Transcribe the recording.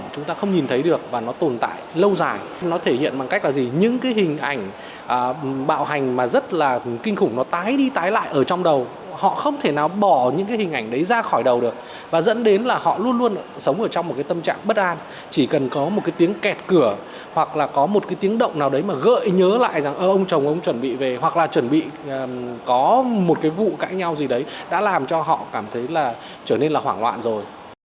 có một cái tiếng động nào đấy mà gợi nhớ lại rằng ông chồng ông chuẩn bị về hoặc là chuẩn bị có một cái vụ cãi nhau gì đấy đã làm cho họ cảm thấy là trở nên là hoảng loạn rồi